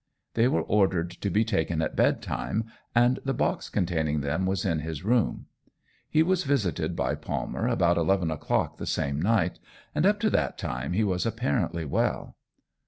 They were ordered to be taken at bedtime, and the box containing them was in his room. He was visited by Palmer about 11 o'clock the same night, and up to that time he was apparently well.